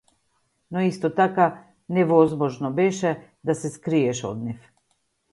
Но исто така невозможно беше да се скриеш од нив.